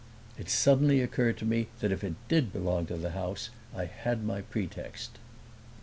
It suddenly occurred to me that if it did belong to the house I had my pretext.